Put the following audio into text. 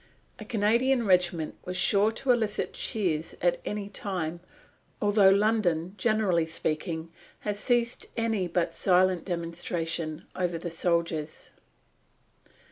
A Canadian regiment was sure to elicit cheers at any time, although London, generally speaking, has ceased any but silent demonstration over the soldiers.